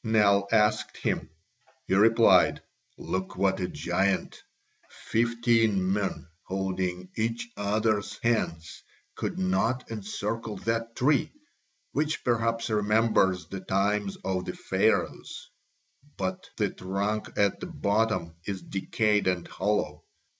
Nell asked him. He replied: "Look what a giant! Fifteen men holding each other's hands could not encircle that tree, which perhaps remembers the times of the Pharaohs. But the trunk at the bottom is decayed and hollow.